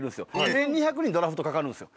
１２００人ドラフトかかるんですよ。